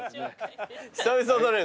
久々だね